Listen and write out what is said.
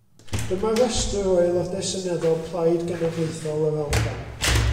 Dyma restr o Aelodau Seneddol Plaid Genedlaethol yr Alban.